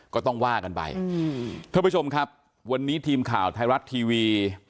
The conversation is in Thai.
ก็ต้องว่ากันไปท่านผู้ชมครับวันนี้ทีมข่าวไทยรัฐทีวี